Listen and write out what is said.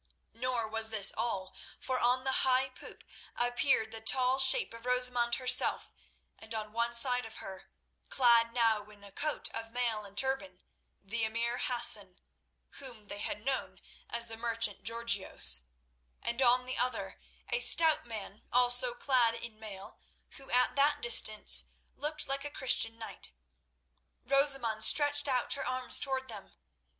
Nor was this all, for on the high poop appeared the tall shape of Rosamund herself, and on one side of her, clad now in coat of mail and turban, the emir Hassan, whom they had known as the merchant Georgios, and on the other, a stout man, also clad in mail, who at that distance looked like a Christian knight. Rosamund stretched out her arms towards them.